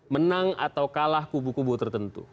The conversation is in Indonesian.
menang atau kalah kubu kubu tertentu